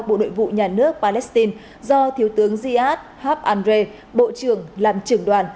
bộ đội vụ nhà nước palestine do thiếu tướng ziad hab andre bộ trưởng làm trưởng đoàn